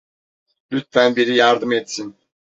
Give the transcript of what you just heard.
Lütfen biri yardım etsin!